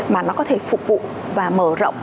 mà nó có thể phục vụ và mở rộng